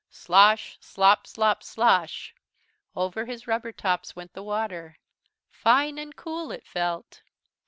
Slosh, slop, slop, slosh! Over his rubber tops went the water. Fine and cool it felt.